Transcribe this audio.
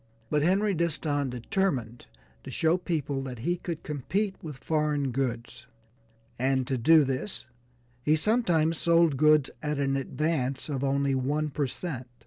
But Henry Disston determined to show people that he could compete with foreign goods, and to do this he sometimes sold goods at an advance of only one per cent.